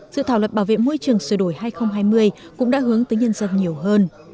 sự thảo luật bảo vệ môi trường sửa đổi hai nghìn hai mươi cũng đã hướng tới nhân dân nhiều hơn